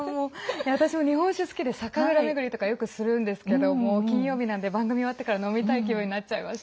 私も日本酒好きで酒蔵巡りとかよくするんですけどもう金曜日なんで番組終わってから飲みたい気分になっちゃいました。